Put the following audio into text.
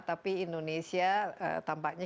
tapi indonesia tampaknya